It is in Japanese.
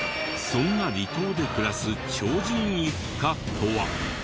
そんな離島で暮らす超人一家とは？